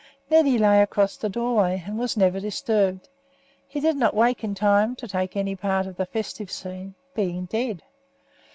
Neddy lay across the doorway, and was never disturbed. He did not wake in time to take any part in the festive scene, being dead.